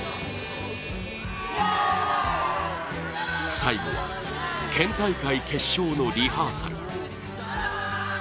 最後は県大会決勝のリハーサル。